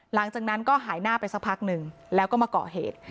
หลังจากนั้นก็หายหน้าไปสักพักหนึ่งแล้วก็มาเกาะเหตุ